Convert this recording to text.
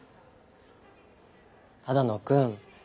只野くん。